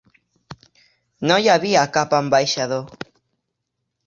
No hi havia cap ambaixador.